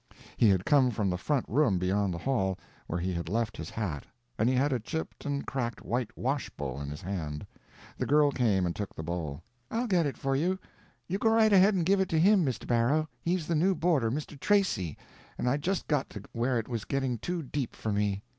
He had come from the front room beyond the hall, where he had left his hat, and he had a chipped and cracked white wash bowl in his hand. The girl came and took the bowl. "I'll get it for you. You go right ahead and give it to him, Mr. Barrow. He's the new boarder—Mr. Tracy—and I'd just got to where it was getting too deep for me."